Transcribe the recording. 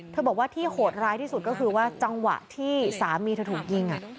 บอกว่าที่โหดร้ายที่สุดก็คือว่าจังหวะที่สามีเธอถูกยิง